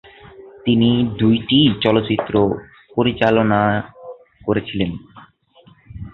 তিনি দুইটি চলচ্চিত্র পরিচালনা করেছিলেন।